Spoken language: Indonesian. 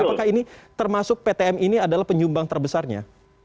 apakah ini termasuk ptm ini adalah penyumbang terbesarnya